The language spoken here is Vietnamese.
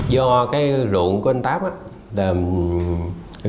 do cái ruộng của anh nguyễn văn tám